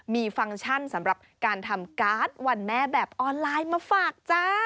มีฟังก์ชั่นสำหรับการทำการ์ดวันแม่แบบออนไลน์มาฝากจ้า